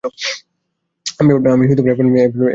আমি অ্যাপার্টমেন্টে থাকতে পারবো না।